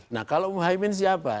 nah kalau muhammad siapa